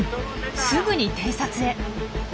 すぐに偵察へ。